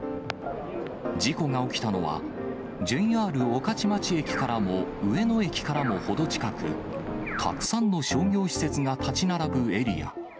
事故が起きたのは、ＪＲ御徒町駅からも、上野駅からも程近く、たくさんの商業施設が建ち並ぶエリア。